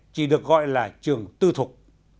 chỉ được gọi là trường tư thuộc